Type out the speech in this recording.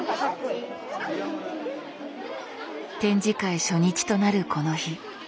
展示会初日となるこの日。